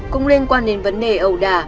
cũng liên quan đến vấn đề ẩu đả